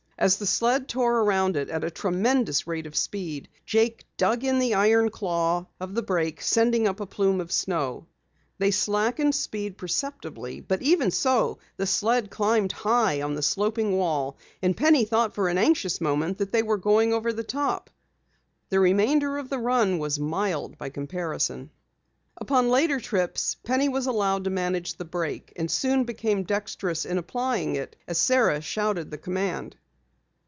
As the sled tore around it at a tremendous rate of speed, Jake dug in the iron claw of the brake, sending up a plume of snow. They slackened speed perceptibly, but even so the sled climbed high on the sloping wall, and Penny thought for an anxious moment that they were going over the top. The remainder of the run was mild by comparison. Upon later trips Penny was allowed to manage the brake, and soon became dexterous in applying it as Sara shouted the command.